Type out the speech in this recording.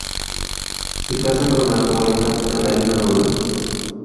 Se casa con la poeta Catalina Rodríguez